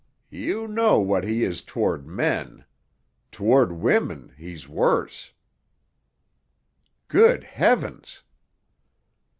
"You know what he is toward men. Toward women—he's worse!" "Good Heavens!"